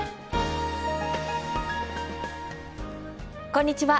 こんにちは。